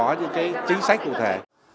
và họ cần có những cái chính sách cụ thể